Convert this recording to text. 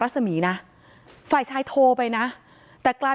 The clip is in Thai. เป็นวันที่๑๕ธนวาคมแต่คุณผู้ชมค่ะกลายเป็นวันที่๑๕ธนวาคม